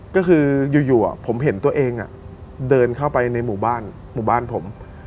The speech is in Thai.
ก็คืออยู่ผมเห็นตัวเองเดินเข้าไปในหมู่บ้านหมู่บ้านผม